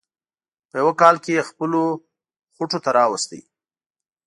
په یوه کال کې یې خپلو خوټو ته راوست.